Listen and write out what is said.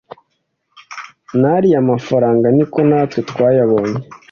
nariya mafaranga, niko natwe twayabonye